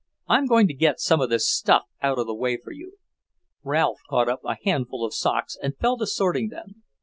I'm going to get some of this stuff out of the way for you." Ralph caught up a handful of socks and fell to sorting them.